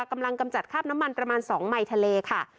กำลังกำจัดคาบน้ำมันประมาณ๒ไหมทะเลค่ะ